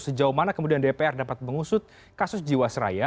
sejauh mana kemudian dpr dapat mengusut kasus jiwa seraya